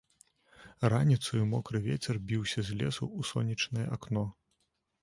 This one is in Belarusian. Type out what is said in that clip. Раніцаю мокры вецер біўся з лесу ў сонечнае акно.